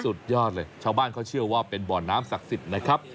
สุดยอดเลยชาวบ้านเขาเชื่อว่าเป็นบ่อน้ำศักดิ์สิทธิ์นะครับ